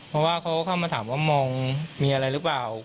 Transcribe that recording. เพราะว่าเขาเข้ามาถามว่ามองมีอะไรหรือเปล่า